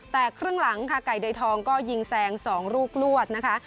แต่ครึ่งหลังค่ะไก่เดยทองก็ยิงแซง๒ลูกลวดนะคะ